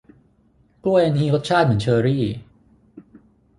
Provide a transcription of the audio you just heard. กล้วยอันนี้รสชาติเหมือนเชอร์รี่